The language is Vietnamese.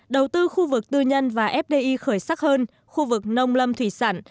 đầu tư khu vực tư nhân và fdi khởi sắc hơn khu vực nông lâm thủy sản